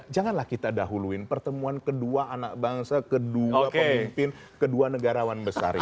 janganlah kita dahuluin pertemuan kedua anak bangsa kedua pemimpin kedua negarawan besar ini